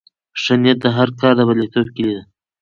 ښه نیت د هر کار د بریالیتوب کیلي ده.